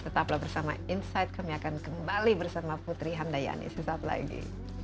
tetaplah bersama insight kami akan kembali bersama putri handayani sesaat lagi